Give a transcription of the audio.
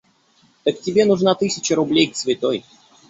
Так тебе нужна тысяча рублей к Святой.